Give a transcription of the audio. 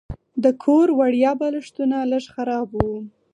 د کور وړیا بالښتونه لږ خراب وو.